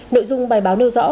nội dung bài báo nêu rõ